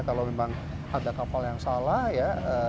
kalau memang ada kapal yang salah ya